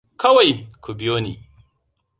Kawai ku biyo ni.